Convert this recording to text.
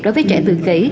đối với trẻ tự kỷ